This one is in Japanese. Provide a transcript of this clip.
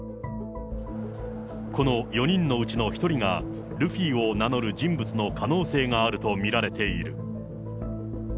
この４人のうちの１人がルフィを名乗る人物の可能性があると見られている。